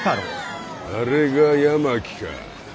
・あれが八巻か。